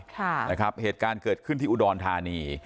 ค่ะนะครับเหตุการณ์เกิดขึ้นที่อุดรธานี